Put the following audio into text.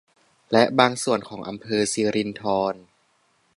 และบางส่วนของอำเภอสิรินธร